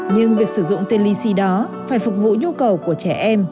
nhưng việc sử dụng tên lì xì đó phải phục vụ nhu cầu của trẻ em